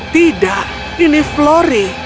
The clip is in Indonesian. tidak ini flory